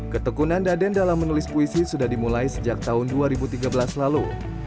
ketekunan daden dalam menulis puisi sudah dimulai sejak tahun dua ribu tiga belas lalu